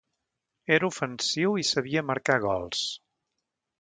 Era ofensiu i sabia marcar gols.